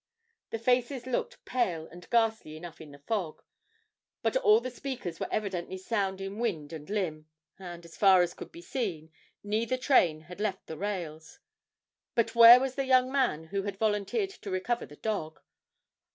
The faces looked pale and ghastly enough in the fog, but all the speakers were evidently sound in wind and limb, and, as far as could be seen, neither train had left the rails but where was the young man who had volunteered to recover the dog?